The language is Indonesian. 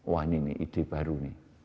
wah ini nih ide baru nih